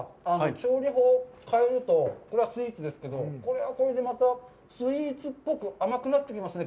調理法変えると、これはスイーツですけど、これはこれでまたスイーツっぽく甘くなってきますね。